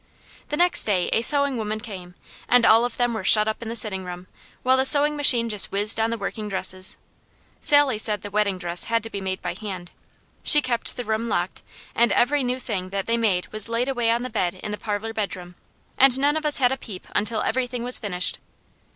The next day a sewing woman came; and all of them were shut up in the sitting room, while the sewing machine just whizzed on the working dresses. Sally said the wedding dress had to be made by hand. She kept the room locked, and every new thing that they made was laid away on the bed in the parlour bedroom, and none of us had a peep until everything was finished.